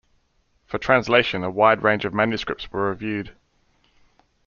For translation a wide range of manuscripts were reviewed.